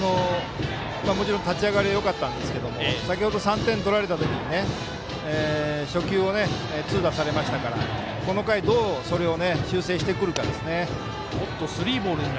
もちろん立ち上がりよかったんですけど先ほど、３点取られたときに初球を痛打されましたからこの回、どうそれを修正してくるかですね。